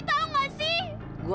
tante tau gak sih